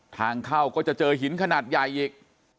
ทางเข้าก็จะเจอหินขนาดใหญ่อีก